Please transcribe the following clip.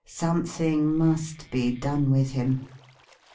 Something must be done with him.